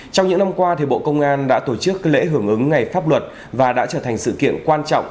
trong những năm qua bộ công an đã tổ chức lễ hưởng ứng ngày pháp luật và đã trở thành sự kiện quan trọng